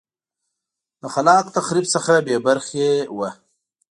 د خلاق تخریب څخه بې برخې وه